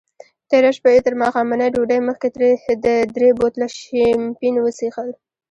تېره شپه یې تر ماښامنۍ ډوډۍ مخکې درې بوتله شیمپین وڅیښل.